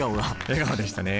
笑顔でしたね。